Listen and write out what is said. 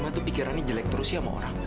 mama tuh pikirannya jelek terus ya sama orang